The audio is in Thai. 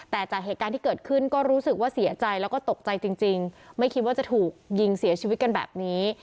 แต่จากเหตุการณ์ที่เกิดขึ้นก็รู้สึกว่าเสียใจแล้วก็ตกใจจริงไม่คิดว่าจะถูกยิงเสียชีวิตกันแบบนี้